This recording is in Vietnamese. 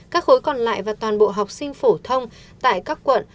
các khối còn lại và toàn bộ học sinh phổ thông tại các quận